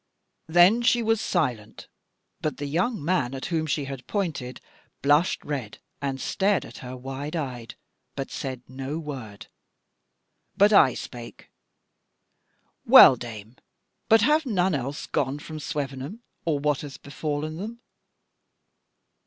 "Then she was silent, but the young man at whom she had pointed blushed red and stared at her wide eyed, but said no word. But I spake: 'Well dame, but have none else gone from Swevenham, or what hath befallen them?'